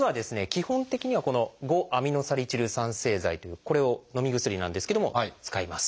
基本的にはこの５−アミノサリチル酸製剤というこれをのみ薬なんですけども使います。